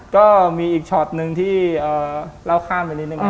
ก็มีอีกช็อตหนึ่งที่เราข้ามไปนิดนึง